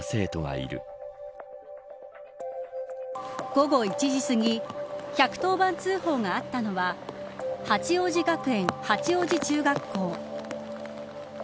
午後１時すぎ１１０番通報があったのは八王子学園八王子中学校。